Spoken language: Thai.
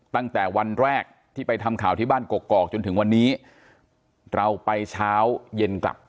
ตั้งแต่วันแรกที่ไปทำข่าวที่บ้านกกอกจนถึงวันนี้เราไปเช้าเย็นกลับ